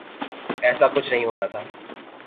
ایسا کچھ نہیں ہونا تھا۔